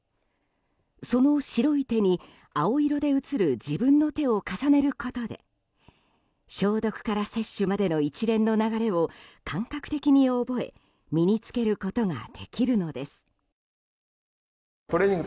その白い手に青色で映る自分の手を重ねることで消毒から接種までの一連の流れを感覚的に覚え身に着けることができるのです。